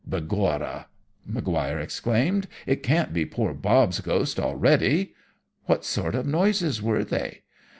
"'Begorra!' Maguire exclaimed, 'it can't be poor Bob's ghost already! What sort of noises were they?'